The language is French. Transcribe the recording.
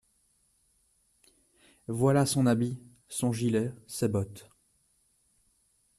Voilà son habit, son gilet, ses bottes…